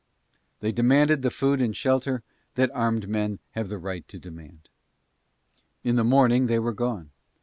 They demanded the food and shelter that armed men have the right to demand. In the morning they were gone.